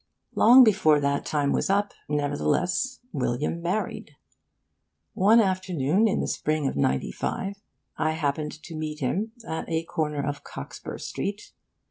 Long before that time was up, nevertheless, William married. One afternoon in the spring of '95 I happened to meet him at a corner of Cockspur Street.